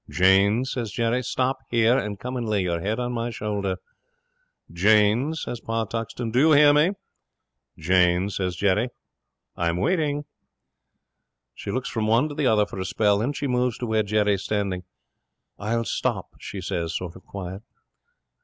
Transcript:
'"Jane," says Jerry, "stop here, and come and lay your head on my shoulder." '"Jane," says Pa Tuxton, "do you hear me?" '"Jane," says Jerry, "I'm waiting." 'She looks from one to the other for a spell, and then she moves to where Jerry's standing. '"I'll stop," she says, sort of quiet.